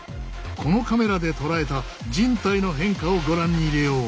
このカメラでとらえた人体の変化をご覧に入れよう。